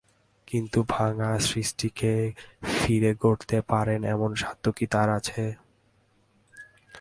কিন্তু ভাঙা সৃষ্টিকে ফিরে গড়তে পারেন এমন সাধ্য কি তাঁর আছে?